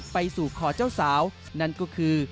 ไปสู่ขอเจ้าสาวนั่นก็คือ